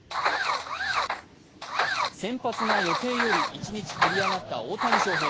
先発が予定より１日繰り上がった大谷翔平。